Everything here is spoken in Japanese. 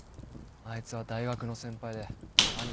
あいつは大学の先輩で兄貴の彼女。